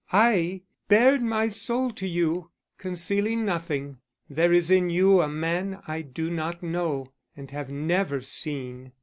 I bared my soul to you, concealing nothing there is in you a man I do not know and have never seen.